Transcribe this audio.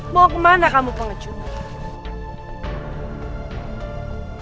mau kemana kamu pengecundang